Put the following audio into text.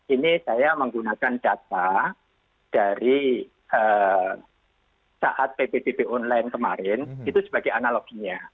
ini saya menggunakan data dari saat ppdb online kemarin itu sebagai analoginya